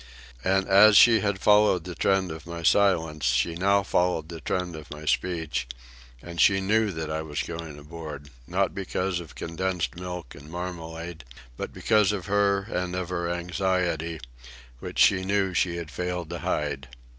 And as she had followed the trend of my silence, she now followed the trend of my speech, and she knew that I was going aboard, not because of condensed milk and marmalade, but because of her and of her anxiety, which she knew she had failed to hide.